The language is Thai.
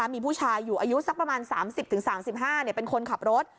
มีผู้ชายอยู่อายุสักประมาณ๓๐๓๕เป็นคนขับรถ